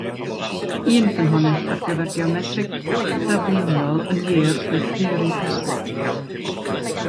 Un ffynhonnell ar gyfer geometreg dafluniol, yn wir, oedd theori persbectif.